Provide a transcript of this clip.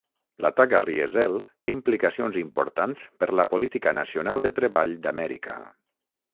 L"atac a Riesel té implicacions importants per la política nacional de treball d"Amèrica.